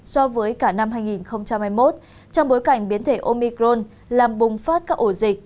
so với cả năm hai nghìn hai mươi một trong bối cảnh biến thể omicron làm bùng phát các ổ dịch